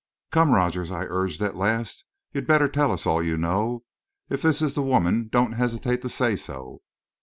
"Come, Rogers," I urged, at last. "You'd better tell us all you know. If this is the woman, don't hesitate to say so."